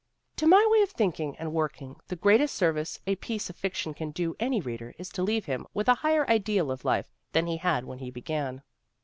^' 'To my way of thinking and working the greatest service a piece of fiction can do any reader is to leave him with a higher ideal of life than he had when he began.